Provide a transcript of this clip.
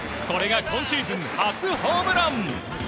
これが今シーズン初ホームラン。